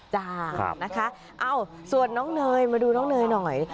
จ้านะคะเอ้าส่วนน้องเนยมาดูน้องเนยหน่อย